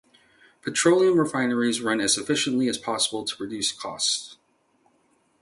Petroleum refineries run as efficiently as possible to reduce costs.